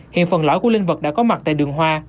hiện phần lõi của linh vật đã có mặt tại đường hoa